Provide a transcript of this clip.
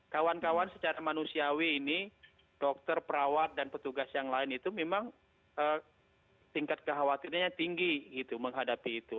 kawan kawan secara manusiawi ini dokter perawat dan petugas yang lain itu memang tingkat kekhawatirannya tinggi gitu menghadapi itu